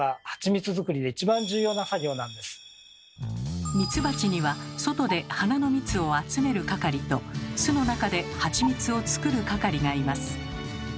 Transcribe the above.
ミツバチには外で花の蜜を集める係と巣の中でハチミツを作る係がいます。